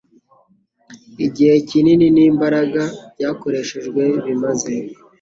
Igihe kinini nimbaraga byakoreshejwe bimaze